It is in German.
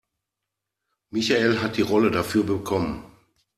Michael hat die Rolle dafür bekommen.